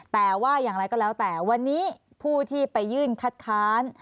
แต่ว่าอย่างไรก็แล้วแต่วันนี้ผู้ที่ไปยื่นคัดค้าน